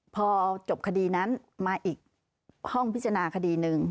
พอจบคดีนั้นมาอีกห้องพิจารณาคดีหนึ่ง